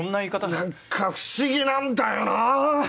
何か不思議なんだよな！